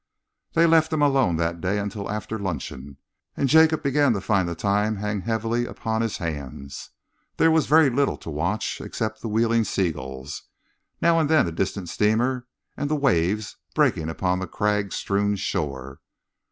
They left him alone that day until after luncheon, and Jacob began to find the time hang heavily upon his hands. There was very little to watch except the wheeling seagulls, now and then a distant steamer, and the waves breaking upon the crag strewn shore.